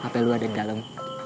apa lu ada di dalam